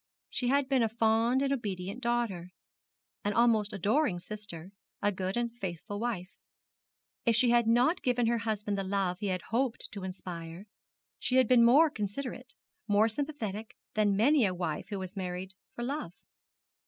She had been a fond and obedient daughter, an almost adoring sister, a good and faithful wife. If she had not given her husband the love he had hoped to inspire, she had been more considerate, more sympathetic than many a wife who has married for love.